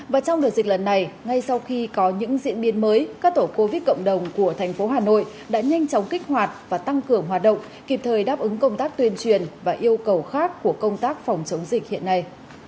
và trong đợt dịch lần này ngay sau khi có những diễn biến mới các tổ covid cộng đồng của thành phố hà nội đã nhanh chóng kích hoạt và tăng cường hoạt động kịp thời đáp ứng công tác tuyên truyền và yêu cầu khác của công tác phòng chống dịch hiện nay